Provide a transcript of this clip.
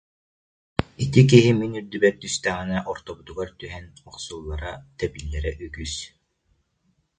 Ити киһи мин үрдүбэр түстэҕинэ ортобутугар түһэн, охсуллара, тэбиллэрэ үгүс